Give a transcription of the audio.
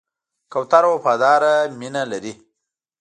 کوتره وفاداره مینه لري.